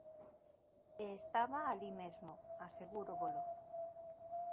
E estaba alí mesmo, asegúrovolo.